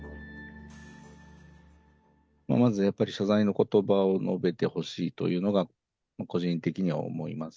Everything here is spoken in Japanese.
まず、やっぱり謝罪のことばを述べてほしいというのが、個人的には思います。